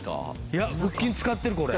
いや腹筋使ってるこれ。